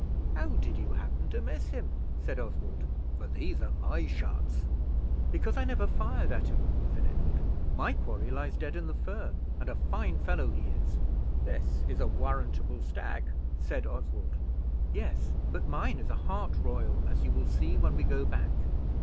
"How did you happen to miss him?" said Oswald; "for these are my shots." "Because I never fired at him," said Edward; "my quarry lies dead in the fern and a fine fellow he is." "This is a warrantable stag," said Oswald. "Yes, but mine is a hart royal, as you will see when we go back."